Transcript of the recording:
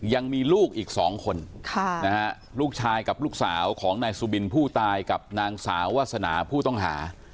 ยังมีลูกอีก๒คนลูกชายกับลูกสาวของนายสุบินผู้ตายกับนางสาววาสนาผู้ต้องหา